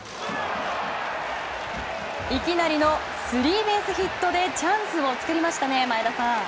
いきなりのスリーベースヒットでチャンスを作りましたね前田さん。